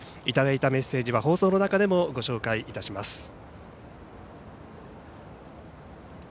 いただいたメッセージは放送の中でもご紹介いたします。